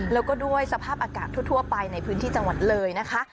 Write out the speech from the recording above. แล้วก็ด้วยสภาพอากาศทั่วไปในพื้นที่จังหวัดเลยนะคะ